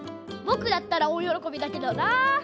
ぼくだったらおおよろこびだけどな。